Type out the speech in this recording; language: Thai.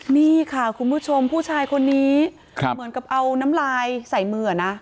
นี่ค่ะคุณผู้ชมผู้ชายคนนี้เหมือนกับเอาน้ำลายใส่มือนะ